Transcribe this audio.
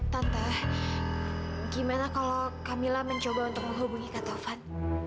tante gimana kalau kak mila mencoba untuk menghubungi kak taufan